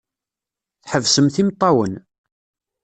Tḥebsemt imeṭṭawen.